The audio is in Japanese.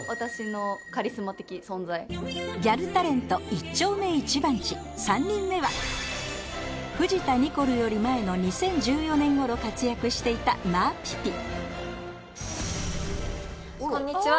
一丁目一番地３人目は藤田ニコルより前の２０１４年頃活躍していたまあぴぴこんにちは